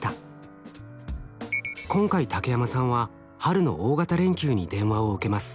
今回竹山さんは春の大型連休に電話を受けます。